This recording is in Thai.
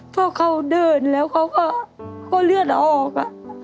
พอเขาเดินแล้วเขาก็เลือดออก